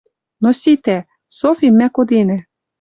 Но ситӓ! Софим мӓ коденӓ.